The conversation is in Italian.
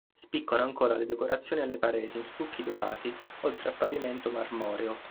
Spiccano ancora le decorazioni alle pareti in stucchi dorati, oltre al pavimento marmoreo.